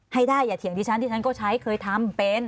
ให้ได้อย่าเถียงที่ฉันที่ฉันก็ใช้เคยทำเป็น